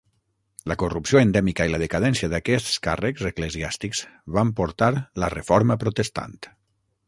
La corrupció endèmica i la decadència d'aquests càrrecs eclesiàstics van portar la Reforma Protestant.